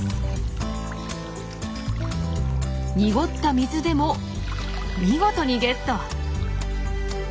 濁った水でも見事にゲット。